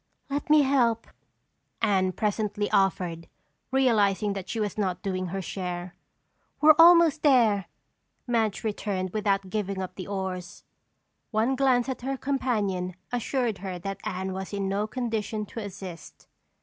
"Let me help," Anne presently offered, realizing that she was not doing her share. "We're almost there," Madge returned without giving up the oars. One glance at her companion assured her that Anne was in no condition to assist.